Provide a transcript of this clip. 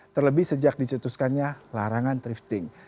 terlebih sejak dicetuskannya larangan thrifting